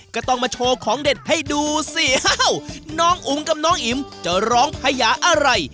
ก็ต้องมาโชว์ของเด็ดให้ดูสิน้องอุ๋มกับน้องอิ๋มจะร้องพญาอะไร